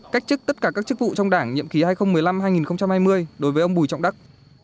cách chức tất cả các chức vụ trong đảng nhiệm ký hai nghìn một mươi năm hai nghìn hai mươi đối với ông bùi trọng đắc